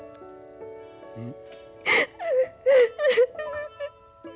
うん。